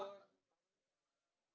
terima kasih pak